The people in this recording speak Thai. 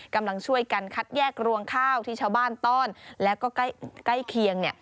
กำลังช่วยกันคัดแยกรวงข้าวที่ชาวบ้านต้อนแล้วก็ใกล้เคียง